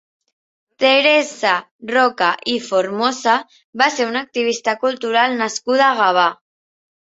Teresa Roca i Formosa va ser una activista cultural nascuda a Gavà.